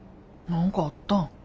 何かあったん？